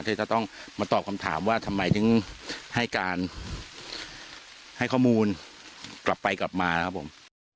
ที่จะต้องมาตอบคำถามว่าทำไมถึงให้การให้ข้อมูลกลับไปกลับมานะครับผม